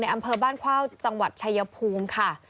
อำเภอบ้านเข้าจังหวัดชายภูมิค่ะ